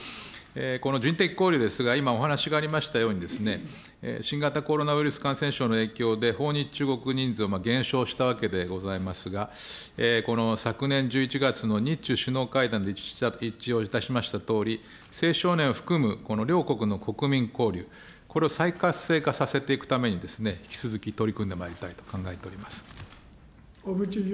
この人的交流ですが、今お話がありましたように、新型コロナウイルス感染症の影響で、訪日中国人数は減少したわけでございますが、この昨年１１月の日中首脳会談で一致をいたしましたとおり、青少年を含む、この両国の国民交流、これを再活性化させていくために、引き続き取り組んでまいりたいと考えております。